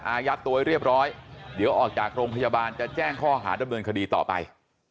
อายัดตัวให้เรียบร้อยเดี๋ยวออกจากโรงพยาบาลจะแจ้งข้อหาดำเนินคดีต่อไป